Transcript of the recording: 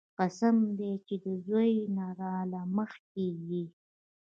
قسم دې چې د زوى نه راله مخكې يې.